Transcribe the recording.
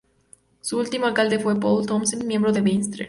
Su último alcalde fue Poul Thomsen, miembro del Venstre.